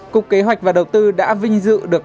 cục kế hoạch và đầu tư đã vinh dự được